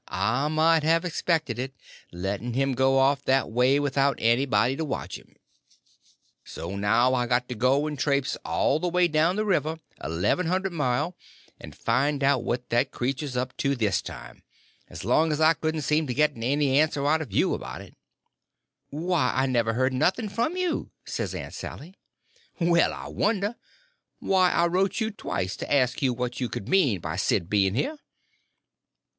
I might have expected it, letting him go off that way without anybody to watch him. So now I got to go and trapse all the way down the river, eleven hundred mile, and find out what that creetur's up to this time; as long as I couldn't seem to get any answer out of you about it." "Why, I never heard nothing from you," says Aunt Sally. "Well, I wonder! Why, I wrote you twice to ask you what you could mean by Sid being here."